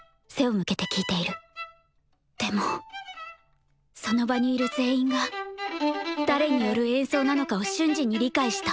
でもその場にいる全員が誰による演奏なのかを瞬時に理解した。